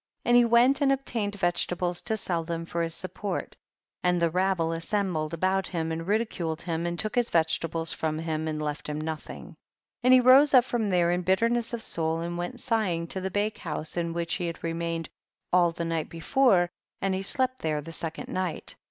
And he went and obtained vegetables to sell them for his sup port, and the rabble assembled about liim and ridiculed him, and took his vegetables from him and left him nothing. 11. i^nd he rose up from there in bitterness of soul, and went sighing to the bake house in which he had remained all the night before, and he slept there the second night. 12.